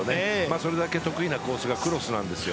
それだけ得意なコースがクロスなんですよ。